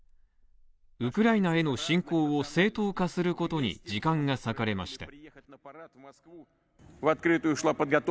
ウクライナへの侵攻を正当化することに時間が割かれました。